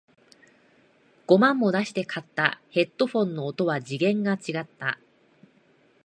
五万も出して買ったヘッドフォンの音は次元が違った